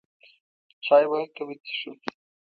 چای به هلته وڅېښو.